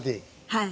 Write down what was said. はい。